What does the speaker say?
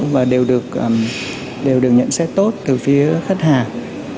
và đều được nhận xét tốt từ phía khách hàng